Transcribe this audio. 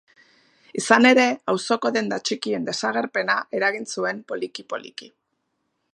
Izan ere, auzoko denda txikien desagerpena eragin zuen poliki-poliki.